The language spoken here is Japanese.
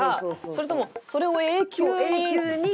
それともそれを永久に。